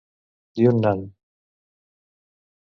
Yunnan.